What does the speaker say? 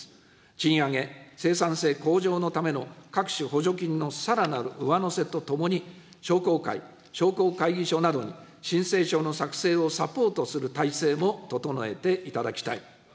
賃上げ、生産性向上のための各種補助金のさらなる上乗せとともに、商工会、商工会議所などに申請書の作成をサポートする体制も整えていただきたい。